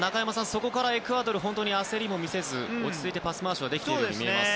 そこからエクアドルは本当に焦りも見せず、落ち着いてパス回しはできているように見えます。